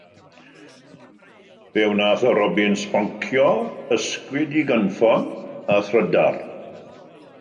Fe wnaeth y robin sboncio, ysgwyd ei gynffon a thrydar.